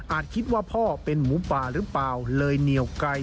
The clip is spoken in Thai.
คิดว่าพ่อเป็นหมูป่าหรือเปล่าเลยเหนียวไกล